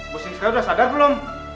bu sista sudah sadar belum